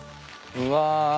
うわ。